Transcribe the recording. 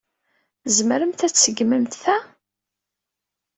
Tzemremt ad tseggmemt ta?